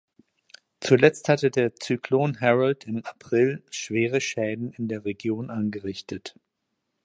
Zuletzt hatte der Zyklon Harold im April schwere Schäden in der Region angerichtet.